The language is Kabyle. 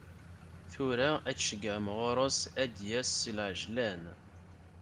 Tura ad tceyyɛem ɣur-s ad d-yas s lɛejlan.